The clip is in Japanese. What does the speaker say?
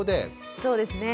そうですね。